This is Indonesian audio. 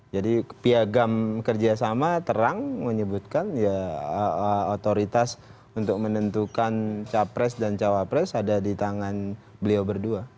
jadi piagam kerjasama terang menyebutkan ya otoritas untuk menentukan capres dan cawapres ada di tangan beliau berdua